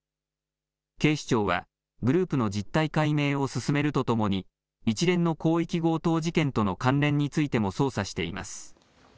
警視庁は、グループの実態解明を進めるとともに、一連の広域強盗事件との関連についても捜査しています。